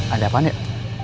ada apa nek